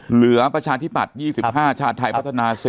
เหลือประชาธิบัติ๒๕ชาติไทยพัฒนา๑๐